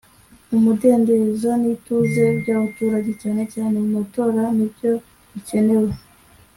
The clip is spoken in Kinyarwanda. umudendezo n ituze by abaturage cyane cyane mumatora nibyo bikenewe